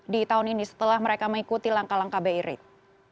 di tahun ini setelah mereka mengikuti langkah langkah bi rate